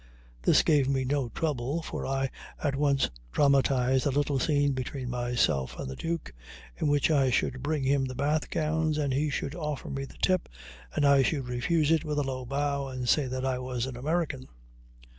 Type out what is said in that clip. This gave me no trouble, for I at once dramatized a little scene between myself and the Duke, in which I should bring him the bath gowns, and he should offer me the tip, and I should refuse it with a low bow, and say that I was an American.